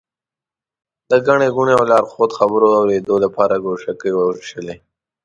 د ګڼې ګوڼې او لارښود خبرو اورېدو لپاره ګوشکۍ ووېشلې.